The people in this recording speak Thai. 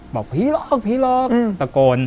บอกผีหลอกผีหลอกตะโกน